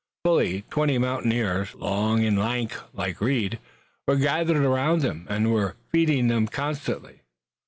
Fully twenty mountaineers, long and lank like Reed, were gathered around them, and were feeding them constantly.